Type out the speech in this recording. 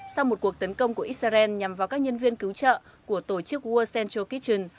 sau một cuộc tấn công của israel nhằm vào các nhân viên cứu trợ của tổ chức world central kitchen